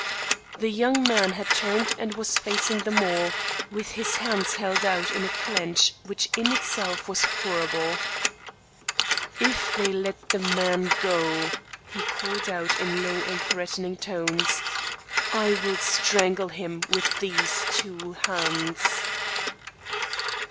The young man had turned and was facing them all, with his hands held out in a clench which in itself was horrible. "If they let the man go," he called out in loud and threatening tones, "I will strangle him with these two hands."